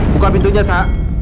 buka pintunya sa